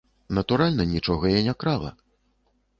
Натуральна, нічога я не крала.